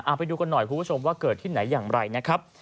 เอาไปดูกันหน่อยคุณผู้ชมว่าเกิดที่ไหนอย่างไรนะครับ